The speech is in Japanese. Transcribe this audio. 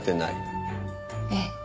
ええ。